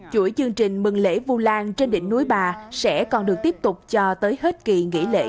chuỗi chương trình mừng lễ vu lan trên đỉnh núi bà sẽ còn được tiếp tục cho tới hết kỳ nghỉ lễ